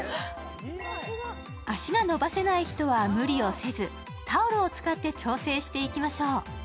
足が伸ばせない人は無理をせず、タオルを使って調整していきましょう。